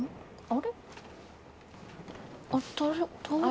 あれ？